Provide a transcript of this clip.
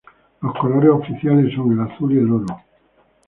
Los colores oficiales son el azul y el oro.